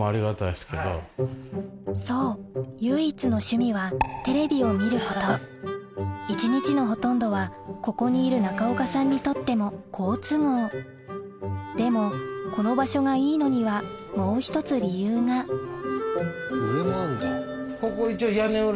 そう唯一の趣味はテレビを見ること一日のほとんどはここにいる中岡さんにとっても好都合でもこの場所がいいのにはもう１つ理由が上もあるんだ。